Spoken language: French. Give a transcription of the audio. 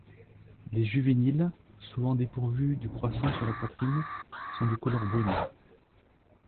Les juvéniles, souvent dépourvus du croissant sur la poitrine, sont de couleur brune.